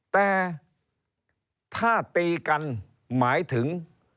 แต่ถ้าตีกันหมายถึง